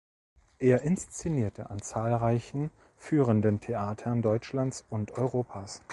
Er inszenierte an zahlreichen führenden Theatern Deutschlands und Europas.